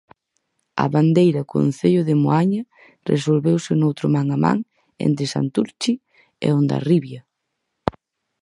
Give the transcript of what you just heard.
A Bandeira Concello de Moaña resolveuse noutro man a man entre Santurzi e Hondarribia.